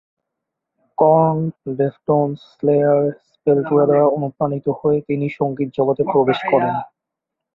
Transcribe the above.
Corn, Deftones, Slayer, Sepultura দ্বারা অনুপ্রাণিত হয়ে তিনি সংগীত জগতে প্রবেশ করেন।